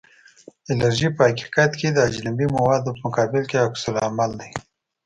الرژي په حقیقت کې د اجنبي موادو په مقابل کې عکس العمل دی.